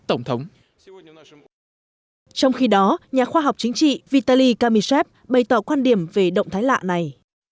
trong khi đó nhà khoa học chính trị vitaly kamyshev bày tỏ quan điểm về động thái lạ này